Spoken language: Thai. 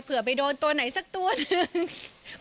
ไปโดนตัวไหนสักตัวหนึ่ง